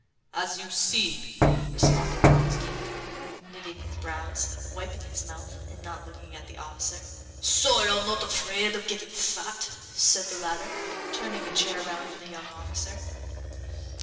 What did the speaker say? "As you see," responded Vronsky, knitting his brows, wiping his mouth, and not looking at the officer. "So you're not afraid of getting fat?" said the latter, turning a chair round for the young officer.